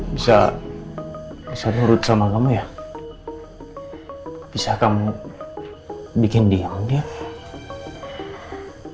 bisa bisa nurut sama kamu ya bisa kamu bikin diam diam